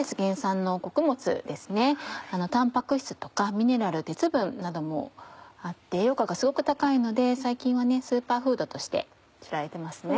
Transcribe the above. タンパク質とかミネラル鉄分などもあって栄養価がすごく高いので最近はスーパーフードとして知られてますね。